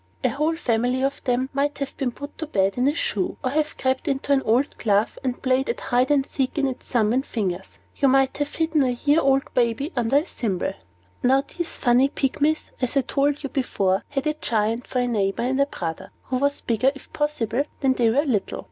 A whole family of them might have been put to bed in a shoe, or have crept into an old glove, and played at hide and seek in its thumb and fingers. You might have hidden a year old baby under a thimble. Now these funny Pygmies, as I told you before, had a Giant for their neighbor and brother, who was bigger, if possible, than they were little.